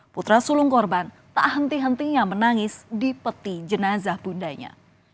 putra sulung korban tak henti hentinya menangis di peti jenazah bundanya